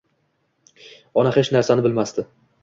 Ona hech narsani bilmasdi